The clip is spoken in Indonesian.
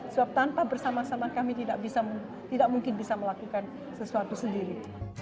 sebab tanpa bersama sama kami tidak mungkin bisa melakukan sesuatu sendiri